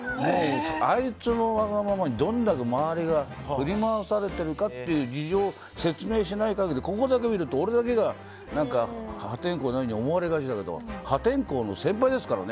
あいつのわがままにどんだけ周りが振り回されてるかという事情を説明しない限りここだけ見ると俺だけが破天荒のように思われがちだけど破天荒の先輩ですからね。